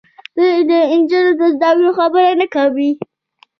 دوی د نجونو د زدهکړو خبره نه کوي.